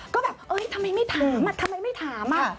ก็แบบเอ้ยทำไมไม่ถามทำไมไม่ถาม